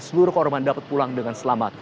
seluruh korban dapat pulang dengan selamat